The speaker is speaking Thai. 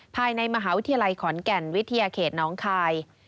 ภายในมหาวิทยาลัยขอนแก่นวิทยาเขตน้องคาย